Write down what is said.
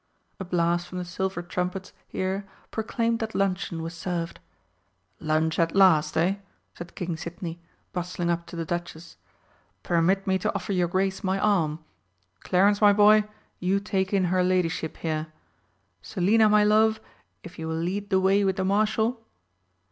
A blast from the silver trumpets here proclaimed that luncheon was served. "Lunch, at last, eh?" said King Sidney, bustling up to the Duchess. "Permit me to offer your Grace my arm. Clarence, my boy, you take in her ladyship here. Selina, my love, if you will lead the way with the Marshal."